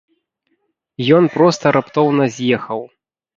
Ён проста раптоўна з'ехаў.